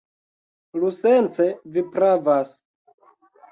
Iusence vi pravas.